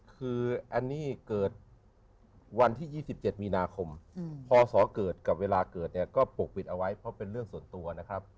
คืออันนี้เกิดวันที่๒๗มีนาคมพศเกิดกับเวลาเกิดเนี่ยก็ปกปิดเอาไว้เพราะเป็นเรื่องส่วนตัวนะครับ